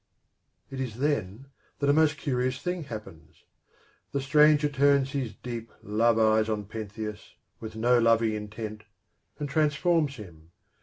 It is then that a most curious thing happens. The stranger turns his deep love eyes on Pentheus, with no loving intent, and transforms him.